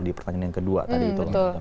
di pertanyaan yang kedua tadi itu